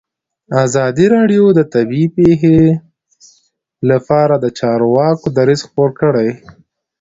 ازادي راډیو د طبیعي پېښې لپاره د چارواکو دریځ خپور کړی.